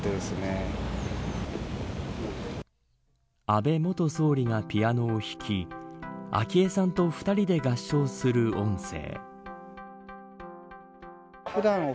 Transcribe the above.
安倍元総理がピアノを弾き昭恵さんと２人で合唱する音声。